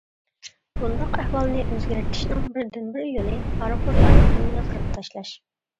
بۇنداق ئەھۋالنى ئۆزگەرتىشنىڭ بىردىنبىر يولى پارىخورلارنىڭ ھەممىنى قىرىپ تاشلاش.